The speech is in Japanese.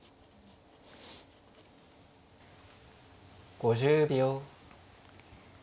５０秒。